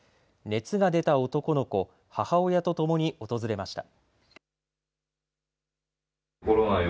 熱が出た男の子、母親と共に訪れました。